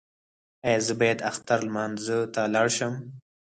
ایا زه باید اختر لمانځه ته لاړ شم؟